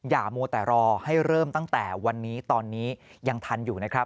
มัวแต่รอให้เริ่มตั้งแต่วันนี้ตอนนี้ยังทันอยู่นะครับ